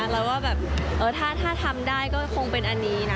เราว่าถ้าทำได้ก็คงเป็นอันนี้นะ